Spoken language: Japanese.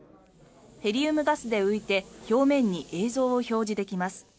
ヘリウムガスで浮いて表面に映像を表示できます。